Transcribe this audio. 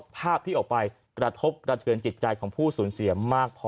ภาพที่ออกไปกระทบกระเทือนจิตใจของผู้สูญเสียมากพอ